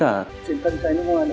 thân chai nước hoa nữa